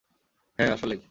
হ্যাঁ, আসলেই।